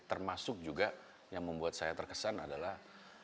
termasuk juga yang membuat saya terkesan adalah